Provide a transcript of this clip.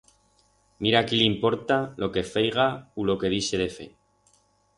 Mira a quí l'importa lo que feiga u lo que dixe de fer.